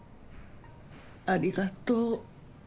ありがとう。